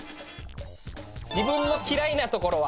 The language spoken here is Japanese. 自分の嫌いなところ？